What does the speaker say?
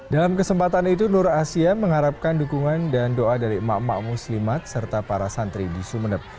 dalam kesempatan itu nur asia mengharapkan dukungan dan doa dari emak emak muslimat serta para santri di sumeneb